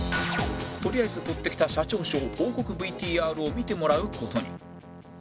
とりあえず撮ってきた社長賞報告 ＶＴＲ を見てもらう事に